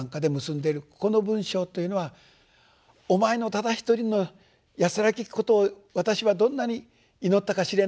この文章というのは「お前のただ一人の安らけきことを私はどんなに祈ったかしれないよ」。